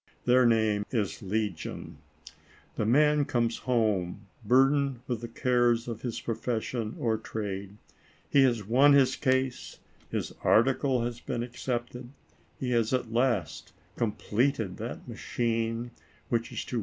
Their name is legion. The man comes home burdened with the cares of his profession or trade ; he has won his case, his article has been accepted, he has at last completed that machine which is to 44 ALICE ; OR, THE WAGES OF SIN.